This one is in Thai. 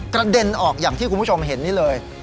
กระเด็นออกอย่างที่คุณผู้ชมเห็นนี่เลย